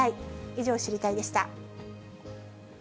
以上、知りたいッ！でした。